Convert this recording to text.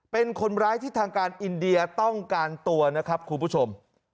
เป็นคนร้ายที่ทางการอินเดียต้องการตัวนะครับคุณผู้ชม